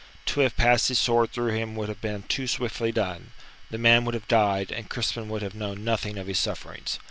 To have passed his sword through him would have been too swiftly done; the man would have died, and Crispin would have known nothing of his sufferings.